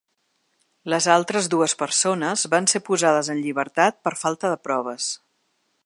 Les altres dues persones van ser posades en llibertat per falta de proves.